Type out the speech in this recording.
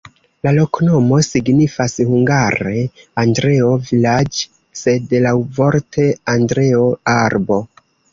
La loknomo signifas hungare: Andreo-vilaĝ', sed laŭvorte Andreo-arbo.